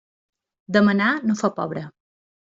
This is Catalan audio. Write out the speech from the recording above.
Demanar no fa pobre.